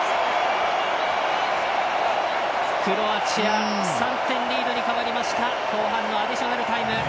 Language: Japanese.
クロアチア３点リードに変わりました後半のアディショナルタイム。